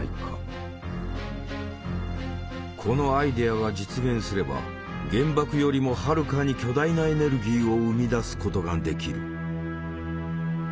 このアイデアが実現すれば原爆よりもはるかに巨大なエネルギーを生み出すことができる。